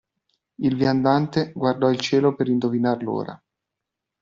Il viandante guardò il cielo per indovinar l'ora.